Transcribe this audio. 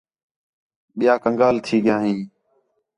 ٻِیا کنگال تھی ڳِیا ہیں